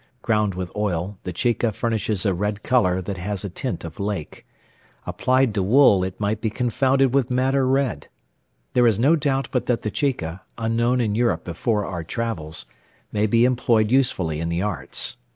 Ground with oil, the chica furnishes a red colour that has a tint of lake. Applied to wool, it might be confounded with madder red. There is no doubt but that the chica, unknown in Europe before our travels, may be employed usefully in the arts.